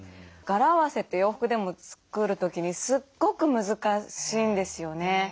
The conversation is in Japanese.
柄合わせって洋服でも作る時にすっごく難しいんですよね。